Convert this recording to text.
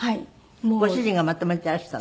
ご主人がまとめてらしたの？